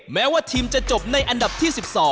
แม้ว่าทีมจะจบในอันดับที่๑๒